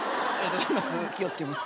気を付けます。